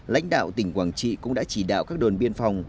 lãnh đạo tỉnh quảng trị cũng đã chỉ đạo các đồn biên phòng